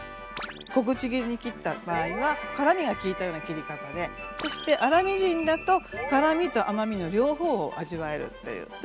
小口切りに切った場合は辛みがきいたような切り方でそして粗みじんだと辛みと甘みの両方を味わえるという。